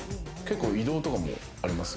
異動とかもありますか？